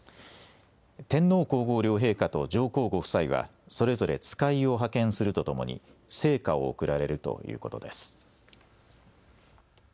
天皇皇后両陛下と上皇ご夫妻はそれぞれ使いを派遣するとともに生花を贈られるられるということです。